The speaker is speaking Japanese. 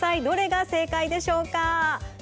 どれが正解でしょうか？